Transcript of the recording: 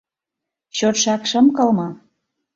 — Чотшак шым кылме...